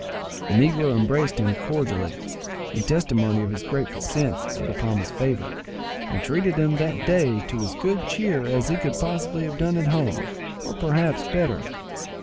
The negro embraced him cordially, in testimony of his grateful sense of the promised favour, and treated him that day to as good cheer as he could possibly have had at home, or perhaps better.